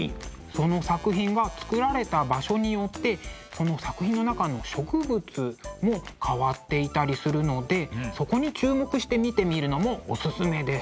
その作品が作られた場所によってその作品の中の植物も変わっていたりするのでそこに注目して見てみるのもおすすめです。